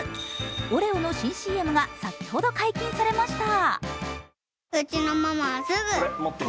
オレオの新ＣＭが先ほど解禁されました。